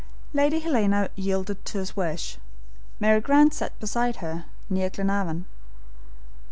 Lady Helena yielded to his wish. Mary Grant sat beside her, near Glenarvan.